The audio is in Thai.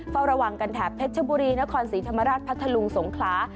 เฝ้าระวังกันแถบเพชรบุรีนครศรีธรรมราชพัทธลุงสงขลา